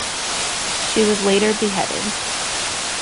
She was later beheaded.